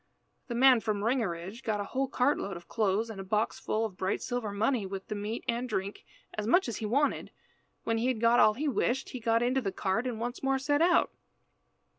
The man from Ringerige got a whole cart load of clothes and a box full of bright silver money, with meat and drink, as much as he wanted. When he had got all he wished, he got into the cart, and once more set out.